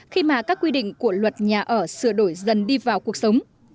khi mà các quy định của luật nhà ở sửa đổi dần đi vào cuộc sống